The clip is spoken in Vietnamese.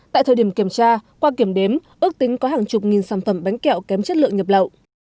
tại thời điểm kiểm tra qua kiểm đếm ước tính có hàng chục nghìn sản phẩm bánh kẹo kém chất lượng nhập lậu